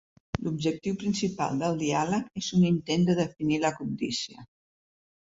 L'objectiu principal del diàleg és un intent de definir la cobdícia.